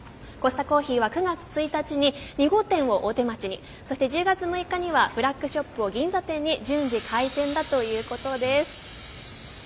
コスタコーヒーは９月１日に２号店を大手町に１０月６日はフラッグシップショップを銀座に順次開店だということです。